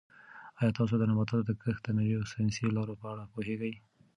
آیا تاسو د نباتاتو د کښت د نویو ساینسي لارو په اړه پوهېږئ؟